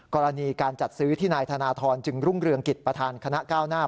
กรณีการจัดซื้อที่นายธนทรจึงรุ่งเรืองกิจประธานคณะก้าวหน้า